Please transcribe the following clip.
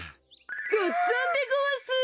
ごっつぁんでごわす。